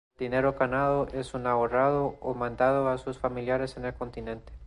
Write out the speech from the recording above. El dinero ganado es ahorrado o mandado a sus familiares en el continente.